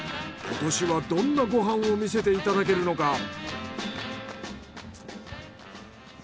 今年はどんなご飯を見せていただけるのか。